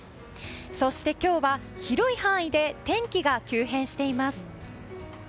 そして今日は広い範囲で天気が急変しています。